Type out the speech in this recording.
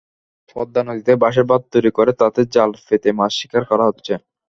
পদ্মা নদীতে বাঁশের বাঁধ তৈরি করে তাতে জাল পেতে মাছ শিকার করা হচ্ছে।